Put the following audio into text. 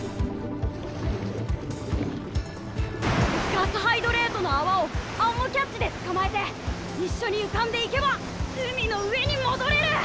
ガスハイドレートの泡をアンモキャッチで捕まえて一緒に浮かんでいけば海の上に戻れる！